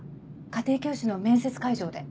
家庭教師の面接会場で。